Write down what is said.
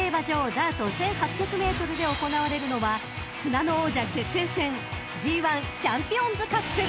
ダート１，８００ｍで行われるのは砂の王者決定戦ＧⅠチャンピオンズカップ！］